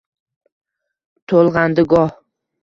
To’lg’andi goh